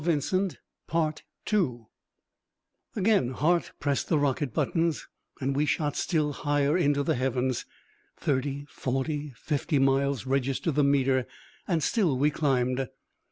Again Hart pressed the rocket buttons, and we shot still higher into the heavens. Thirty, forty, fifty miles registered the meter, and still we climbed.